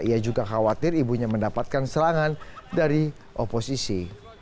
ia juga khawatir ibunya mendapatkan serangan dari oposisi